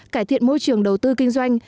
cải thiện môi trường đầu tư kinh doanh